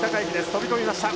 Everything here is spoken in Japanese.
飛び込みました。